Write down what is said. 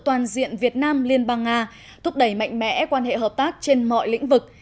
toàn diện việt nam liên bang nga thúc đẩy mạnh mẽ quan hệ hợp tác trên mọi lĩnh vực